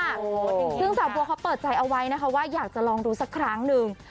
ซึ่งสาวบัวเขาเปิดใจเอาไว้นะคะว่าอยากจะลองดูสักครั้งหนึ่ง